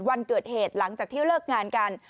วันเกิดเหตุหลังจากที่เลิกงานกัน